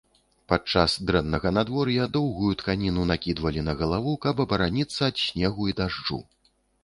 Падчас дрэннага надвор'я доўгую тканіну накідвалі на галаву, каб абараніцца ад снегу і дажджу.